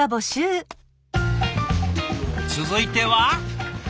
続いては。